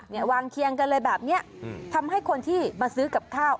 วางเคียงกันเลยแบบเนี้ยอืมทำให้คนที่มาซื้อกับข้าว